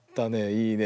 いいね。